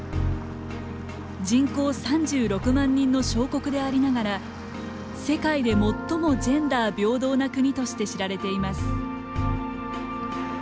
人口３６万人の小国でありながら世界で最もジェンダー平等な国として知られています。